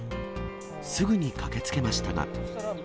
すぐに駆けつけましたが。